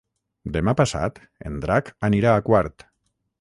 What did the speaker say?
Demà passat en Drac anirà a Quart.